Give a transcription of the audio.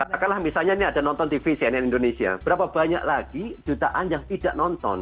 karena misalnya ini ada nonton tv cnn indonesia berapa banyak lagi jutaan yang tidak nonton